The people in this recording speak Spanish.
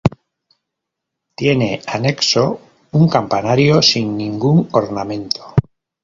Tiene anexo un campanario sin ningún ornamento.